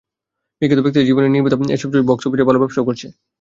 বিখ্যাত ব্যক্তিদের জীবনী নিয়ে নির্মিত এসব ছবি বক্স অফিসে ভালো ব্যবসাও করছে।